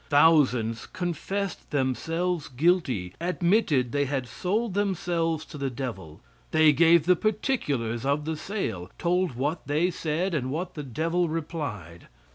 Thousands confessed themselves guilty, admitted they had sold themselves to the devil. They gave the particulars of the sale; told what they said and what the devil replied.